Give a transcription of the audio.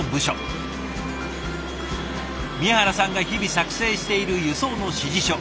宮原さんが日々作成している輸送の指示書。